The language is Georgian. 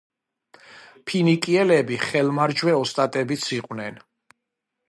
ფინიკიელები ხელმარჯვე ოსტატებიც იყვნენ.